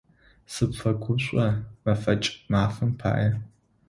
Сыпфэгушӏо мэфэкӏ мафэм пае.